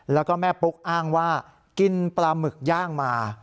แล้วก็แม่ปุ๊กอ้างว่ากินปลาหมึกย่างมา